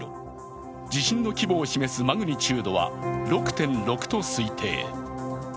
地震の規模を示すマグニチュードは６．６と推定。